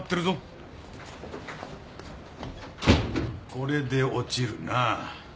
これで落ちるな。